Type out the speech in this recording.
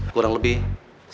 kurang lebih seperti itulah ya pak